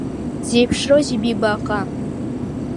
Дзеиԥшроузеи, Биба, аӷа?